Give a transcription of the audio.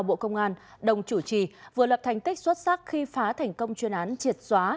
bộ công an đồng chủ trì vừa lập thành tích xuất sắc khi phá thành công chuyên án triệt xóa